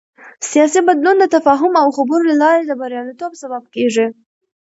سیاسي بدلون د تفاهم او خبرو له لارې د بریالیتوب سبب کېږي